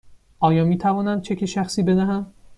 آیا می توانم چک شخصی بدهم؟